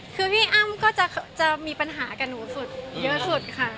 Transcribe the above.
คือพี่อ้ำก็จะมีปัญหากับหนูสุดเยอะสุดค่ะ